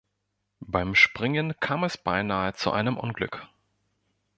Beim Springen kam es beinahe zu einem Unglück.